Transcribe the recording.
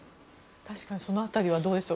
その辺りはどうでしょう。